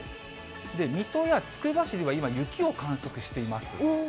水戸や、つくば市では今、雪を観測しています。